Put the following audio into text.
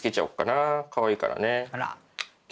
あら！